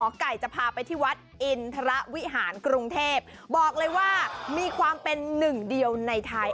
ไก่จะพาไปที่วัดอินทรวิหารกรุงเทพบอกเลยว่ามีความเป็นหนึ่งเดียวในไทย